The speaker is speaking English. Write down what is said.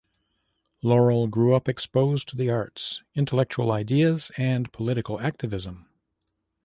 Laurel grew up exposed to the arts, intellectual ideas and political activism.